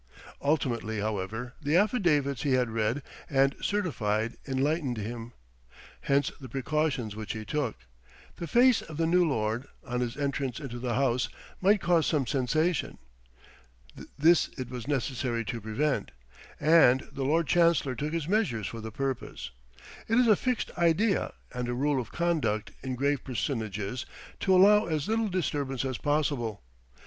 Ultimately, however, the affidavits he had read and certified enlightened him. Hence the precautions which he took. The face of the new lord, on his entrance into the House, might cause some sensation. This it was necessary to prevent; and the Lord Chancellor took his measures for the purpose. It is a fixed idea, and a rule of conduct in grave personages, to allow as little disturbance as possible.